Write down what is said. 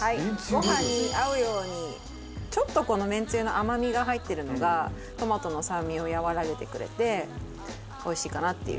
ご飯に合うようにちょっとこのめんつゆの甘みが入ってるのがトマトの酸味を和らげてくれておいしいかなっていう。